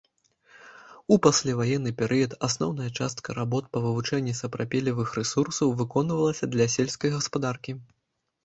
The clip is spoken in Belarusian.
У пасляваенны перыяд асноўная частка работ па вывучэнні сапрапелевых рэсурсаў выконвалася для сельскай гаспадаркі.